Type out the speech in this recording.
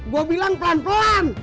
gue bilang pelan pelan